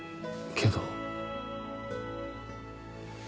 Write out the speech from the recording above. けど